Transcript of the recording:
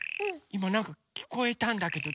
いまなんかきこえたんだけど。